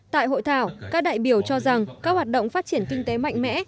tại hội thảo các đại biểu cho rằng các hoạt động phát triển kinh tế mạnh mẽ